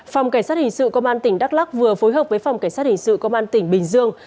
phòng cảnh sát hình sự công an tỉnh đắk lắc vừa phối hợp với phòng cảnh sát hình sự công an tỉnh bình dương